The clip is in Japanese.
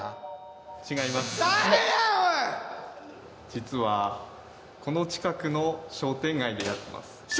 実はこの近くの商店街でやってます。